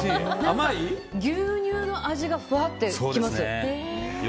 牛乳の味がふわってきます。